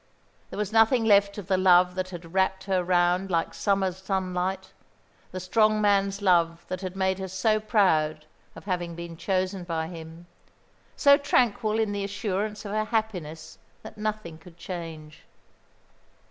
There was nothing left of the love that had wrapped her round like summer sunlight, the strong man's love that had made her so proud of having been chosen by him, so tranquil in the assurance of a happiness that nothing could change.